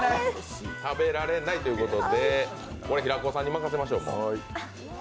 食べられないということでこれ平子さんに任せましょう。